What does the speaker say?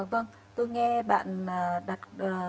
vâng tôi nghe bạn đặt